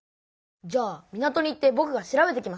じゃあ港に行ってぼくが調べてきます。